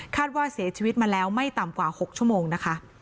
ว่าเสียชีวิตมาแล้วไม่ต่ำกว่า๖ชั่วโมงนะคะ